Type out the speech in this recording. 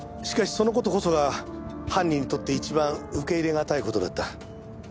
しかしその事こそが犯人にとって一番受け入れがたい事だった。